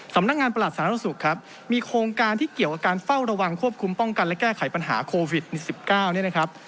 ประหลัดสาธารณสุขครับมีโครงการที่เกี่ยวกับการเฝ้าระวังควบคุมป้องกันและแก้ไขปัญหาโควิด๑๙เนี่ยนะครับ